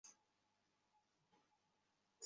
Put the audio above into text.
রাজবাড়ির ইতস্তত দুমদাম করিয়া দরজা পড়িতেছে।